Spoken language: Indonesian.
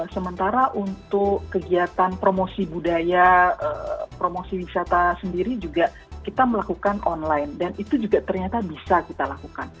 sementara untuk kegiatan promosi budaya promosi wisata sendiri juga kita melakukan online dan itu juga ternyata bisa kita lakukan